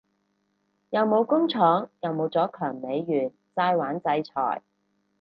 又冇工廠又冇咗強美元齋玩制裁